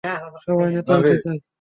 সবাই নেতা হতে চায় না।